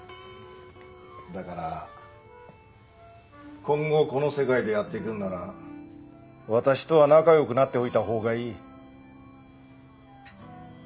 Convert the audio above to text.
だから今後この世界でやってくんなら私とは仲良くなっておいた方がいい。